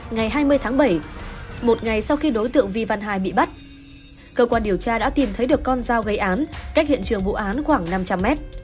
ngày hai mươi tháng bảy một ngày sau khi đối tượng vi văn hải bị bắt cơ quan điều tra đã tìm thấy được con dao gây án cách hiện trường vụ án khoảng năm trăm linh mét